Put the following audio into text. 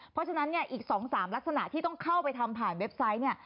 เพราะฉะนั้นเนี่ยอีก๒๓ลักษณะที่ต้องเข้าไปทำผ่านเว็บไซต์เนี่ย